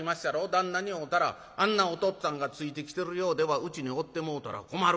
旦那に会うたら『あんなおとっつぁんがついてきてるようではうちにおってもうたら困る』